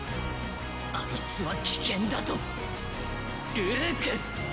アイツは危険だとルーク！